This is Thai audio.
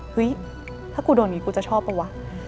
เฮ้ยถ้ากูโดนอย่างนี้กูจะชอบเปล่าวะ